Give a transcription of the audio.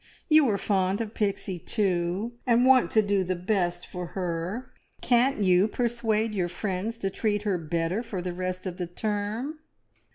You are fond of Pixie too, and want to do the best for her. Can't you persuade your friends to treat her better for the rest of the term?"